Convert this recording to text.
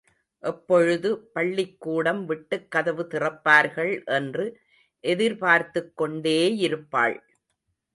எப்பொழுது பள்ளிக் கூடம் விட்டுக் கதவு திறப்பார்கள் என்று எதிர்பார்த்துக் கொண்டேயிருப்பாள்.